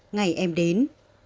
ngày em đến